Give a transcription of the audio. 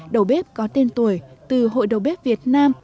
đầu bếp có tên tuổi từ hội đầu bếp việt nam